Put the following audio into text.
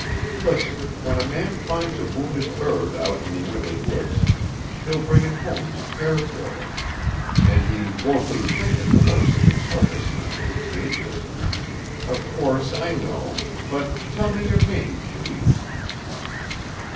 Listen when a man finds a wounded bird out in the winter woods, he'll bring it home to care for it. And he 'won't be thinking' the worse of its helplessness and tameness. Of course I know but tell me your name, please!"